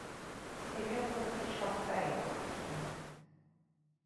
Ik heb voor het verslag-Feio gestemd.